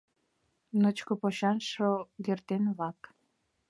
Ночко почан шогертен-влак!